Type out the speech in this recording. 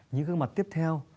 những gương mặt tiếp theo